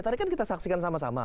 tadi kan kita saksikan sama sama